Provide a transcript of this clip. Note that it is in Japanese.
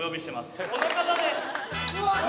この方です。